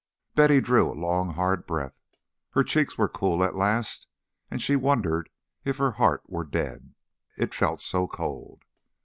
Betty drew a long hard breath. Her cheeks were cool at last, and she wondered if her heart were dead, it felt so cold.